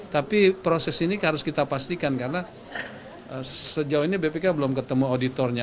tapi proses ini harus kita pastikan karena sejauh ini bpk belum ketemu auditornya